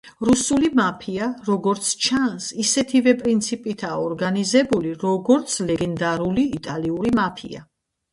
რუსული მაფია, როგორც ჩანს, ისეთივე პრინციპითაა ორგანიზებული, როგორც ლეგენდარული იტალიური მაფია.